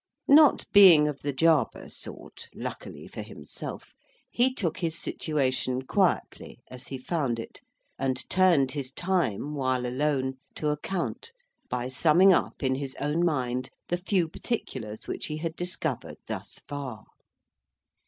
Not being of the Jarber sort, luckily for himself, he took his situation quietly, as he found it, and turned his time, while alone, to account, by summing up in his own mind the few particulars which he had discovered thus far.